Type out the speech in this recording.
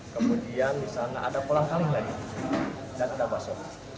kemudian disana ada kolam kalim dan ada baso